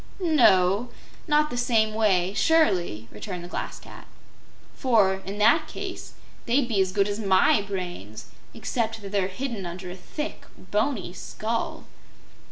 "No; not the same way, surely," returned the Glass Cat; "for, in that case, they'd be as good as MY brains, except that they're hidden under a thick, boney skull."